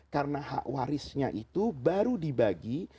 karena hak warisnya itu baru dibagi